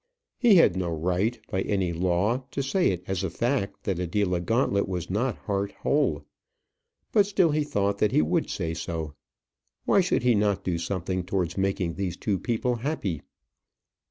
He had no right, by any law, to say it as a fact that Adela Gauntlet was not heart whole. But still he thought that he would say so. Why should he not do something towards making these two people happy?